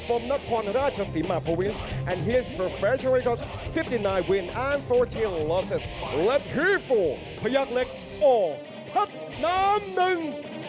ตอนนี้พยักเล็กอ๋อเผ็ดน้ำหนึ่ง